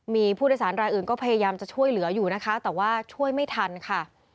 มีผู้โดยสารรายอื่นก็พยายามจะช่วยเหลืออยู่นะคะแต่ว่าช่วยไม่ทันค่ะ